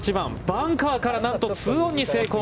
バンカーから、なんとツーオンに成功！